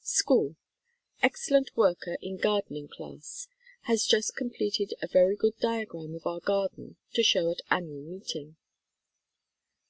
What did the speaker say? SCHOOL. Excellent worker in gardening class. Has just completed a very good diagram of our garden to show at Annual Meeting.